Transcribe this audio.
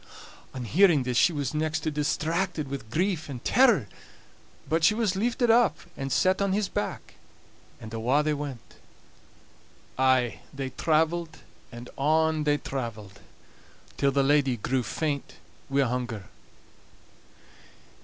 On hearing this she was next to distracted wi' grief and terror; but she was lifted up and set on his back, and awa' they went. Aye they traveled, and on they traveled, till the lady grew faint wi' hunger.